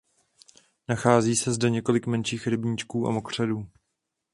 Nachází se zde několik menších rybníčků a mokřadů.